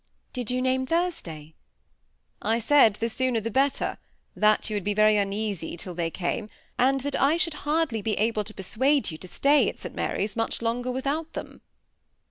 " Did you name Thursday ?"^ I said the sooner the better — that yon would be very uneasy till they came, and that I should hardly be able to persuade you to stay at St Mary's much longer without them."